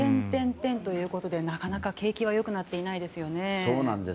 ということでなかなか景気は良くなっていないですよね。